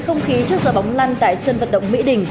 không khí trước giờ bóng lanh tại sân vật động mỹ đình